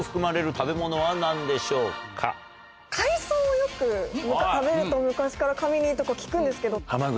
よく食べると昔から髪にいいとか聞くんですけど。